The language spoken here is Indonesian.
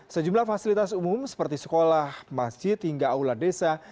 sejumlah fasilitas umum seperti sekolah masjid hingga aula desa